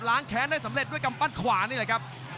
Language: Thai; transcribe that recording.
แค้นได้สำเร็จด้วยกำปั้นขวานี่แหละครับ